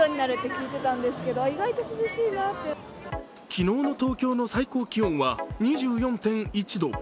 昨日の東京の最高気温は２４．１度。